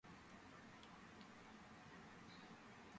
პარალელურად, იგი დიდ ყურადღებას უთმობდა თავისი ქალიშვილის განათლებას.